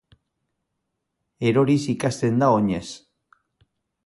Eroriz ikasten da oinez.